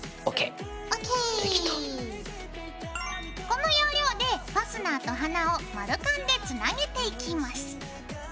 この要領でファスナーと花を丸カンでつなげていきます。